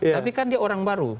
tapi kan dia orang baru